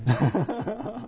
アハハハ。